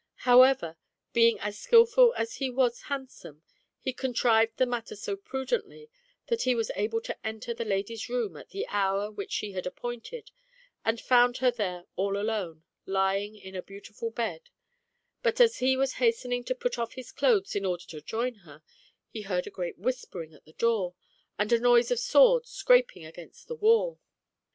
However, being as skilful as he was hand some, he contrived the matter so prudently that he was able to enter the lady's room at the hour which she had appointed, and found her there all alone, lying in a beautiful bed; but as he was hasting to put off his clothes in order to join her, he heard a great whispering at the door, and a noise of swords scraping against the wall.